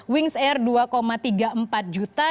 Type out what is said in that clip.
wings air dua tiga puluh empat juta